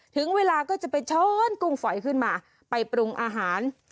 ถึงเวลาก็จะไปช้อนกุ้งฝอยขึ้นมาไปปรุงอาหาร